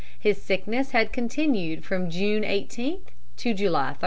His sickness had continued from June 18 to July 3.